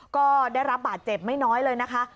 ก็ได้รับบาดเจ็บไม่น้อยเลยนะคะ